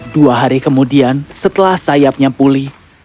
dua hari kemudian setelah sayapnya pulih